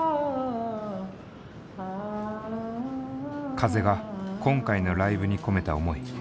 風が今回のライブに込めた思い。